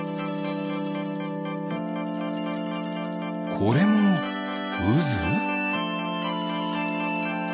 これもうず？